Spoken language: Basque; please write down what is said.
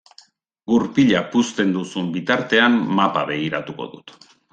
Gurpila puzten duzun bitartean mapa begiratuko dut.